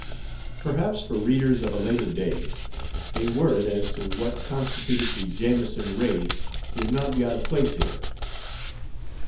Perhaps for readers of a later day a word as to what constituted the Jameson raid would not be out of place here.